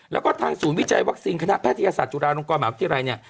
แล้วก็ทางศูนย์วิจัยวัคซีนคณะแพทยศาสตร์จุฬาลงกรหมายวัคซีไรเนี่ย